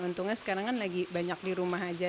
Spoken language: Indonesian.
untungnya sekarang kan lagi banyak di rumah aja